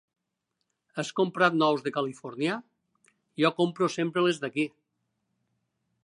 Has comprat nous de Califòrnia? Jo compro sempre les d'aquí.